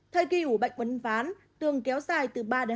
thời kỳ ủ bệnh uấn ván tương kéo dài từ ba đến hai mươi một ngày